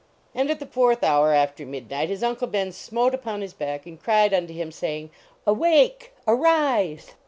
And at the fourth hour after midnight, his Uncle Ben smote upon his back, and cried unto him, saying: "Awake! Arise!